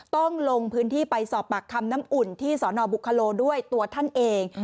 ต้องลงพื้นที่ไปสอบปากคำน้ำอุ่นที่สนบุคโลด้วยตัวท่านเอง